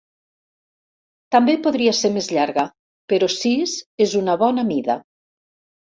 També podria ser més llarga, però sis és una bona mida.